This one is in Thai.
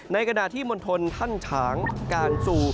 ขณะที่มณฑลท่านฉางการสู่